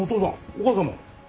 お母さんも。